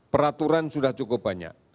peraturan sudah cukup banyak